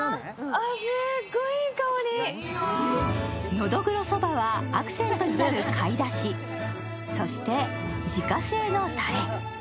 のどぐろそばはアクセントになる貝だし、そして自家製のたれ。